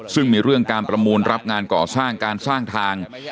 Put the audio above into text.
ซึ่งมีเรื่องการประมูลรับงานก่อสร้างการสร้างทาง